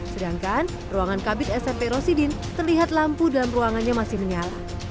sedangkan ruangan kabit smp rosidin terlihat lampu dalam ruangannya masih menyala